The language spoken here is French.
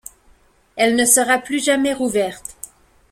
Elle ne sera plus jamais rouverte.